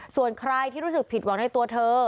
ส่วนใครที่รู้สึกผิดหวังในตัวเธอ